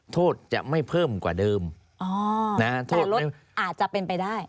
โทษจะไม่เพิ่มกว่าเดิมถ้าลดอาจจะเป็นไปได้